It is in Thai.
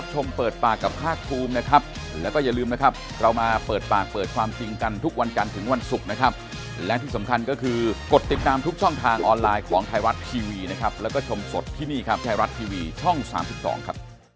สดที่นี่ครับแชร์รัดทีวีช่อง๓๒ครับ